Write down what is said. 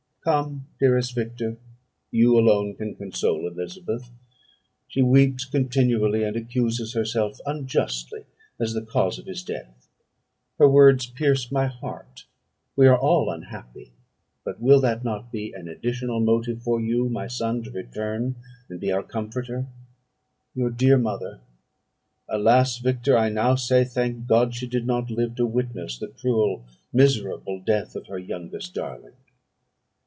"Come, dearest Victor; you alone can console Elizabeth. She weeps continually, and accuses herself unjustly as the cause of his death; her words pierce my heart. We are all unhappy; but will not that be an additional motive for you, my son, to return and be our comforter? Your dear mother! Alas, Victor! I now say, Thank God she did not live to witness the cruel, miserable death of her youngest darling!